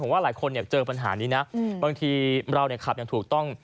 ว่าหลายคนเจอปัญหานี้นะบางทีเราขับอย่างถูกต้อง